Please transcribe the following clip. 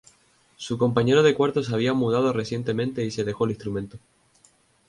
Su compañero de cuarto se había mudado recientemente y se dejó el instrumento.